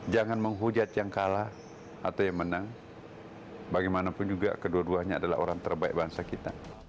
jangan menghujat yang kalah atau yang menang bagaimanapun juga kedua duanya adalah orang terbaik bangsa kita